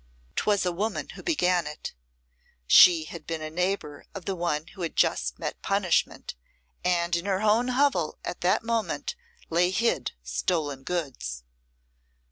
'Twas a woman who began it. (She had been a neighbour of the one who had just met punishment, and in her own hovel at that moment lay hid stolen goods.)